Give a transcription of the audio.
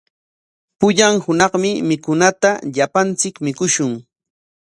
Pullan hunaqmi mikunata llapanchik mikushun.